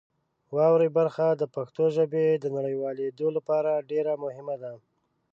واورئ برخه د پښتو ژبې د نړیوالېدو لپاره ډېر مهمه ده.